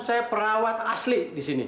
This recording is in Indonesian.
saya perawat asli disini